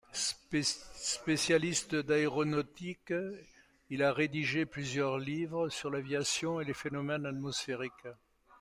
Spécialiste d'aéronautique, il a rédigé plusieurs livres sur l'aviation et les phénomènes atmosphériques.